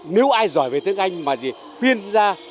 nếu ai giỏi về tiếng anh mà gì tiên ra